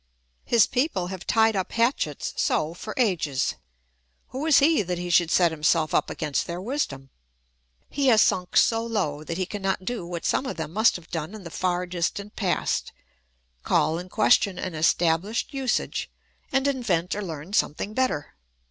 His people have tied up hatchets so for ages : who is he that he should set himself up against their wisdom ? He has sunk so low that he cannot do what some of them must have done in the far distant past — call in question an estabhshed usage, and invent or learn something better.